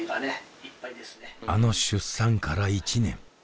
あの出産から１年。